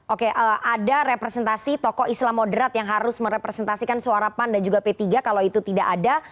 oke ada representasi tokoh islam moderat yang harus merepresentasikan suara pan dan juga p tiga kalau itu tidak ada